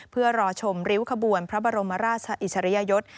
เพื่อรอชมริ้วขบวนพระบรมราชอิสริยยศ